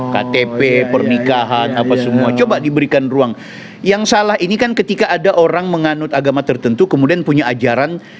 ktp pernikahan apa semua coba diberikan ruang yang salah ini kan ketika ada orang menganut agama tertentu kemudian punya ajaran